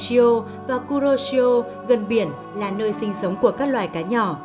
oshio và kuroshio gần biển là nơi sinh sống của các loài cá nhỏ